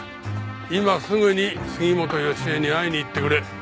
今すぐに杉本好江に会いに行ってくれ。